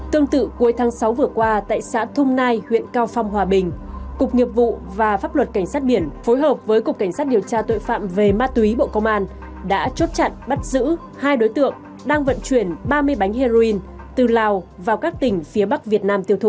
tương tự cuối tháng sáu vừa qua tại xã thung nai huyện cao phong hòa bình cục nghiệp vụ và pháp luật cảnh sát biển phối hợp với cục cảnh sát điều tra tội phạm về ma túy bộ công an đã chốt chặn bắt giữ hai đối tượng đang vận chuyển ba mươi bánh heroin từ lào vào các tỉnh phía bắc việt nam tiêu thụ